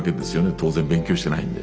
当然勉強してないんで。